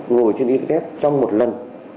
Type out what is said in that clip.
ngồi trên internet trong một lần